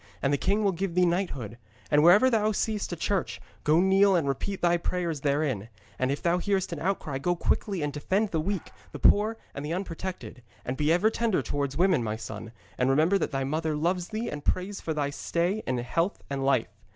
And the king will give thee knighthood. And wherever thou seest a church, go kneel and repeat thy prayers therein; and if thou hearest an outcry, go quickly and defend the weak, the poor and the unprotected. And be ever tender towards women, my son, and remember that thy mother loves thee and prays for thy stay in health and life.